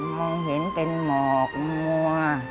มองเห็นเป็นหมอกมัว